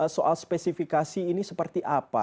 soal spesifikasi ini seperti apa